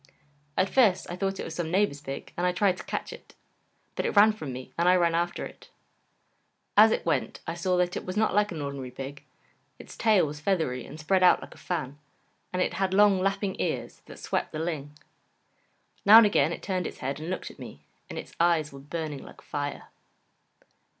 At first I thought it was some neighbour's pig and I tried to catch it, but it ran from me and I ran after it. As it went I saw that it was not like an ordinary pig its tail was feathery and spread out like a fan, and it had long lapping ears that swept the ling. Now and again it turned its head and looked at me, and its eyes were burning like fire.